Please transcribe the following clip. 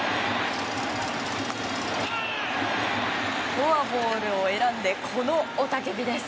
フォアボールを選んでこの雄たけびです。